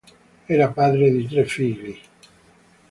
Era padre di tre figli.